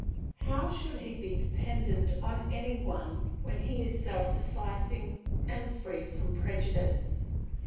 How should he be dependent on any one when he is self sufficing and free from prejudice?